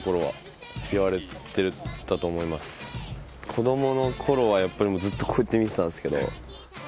子供の頃はずっとこうやって見てたんですけど。